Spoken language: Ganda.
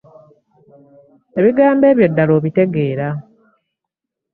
Ebigambo ebyo ddala obitegeera?